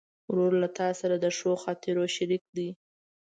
ورور له تا سره د ښو خاطرو شریک دی.